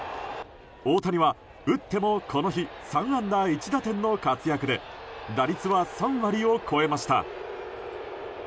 大谷は、打ってもこの日３安打１打点の活躍で打率は３割を超えました。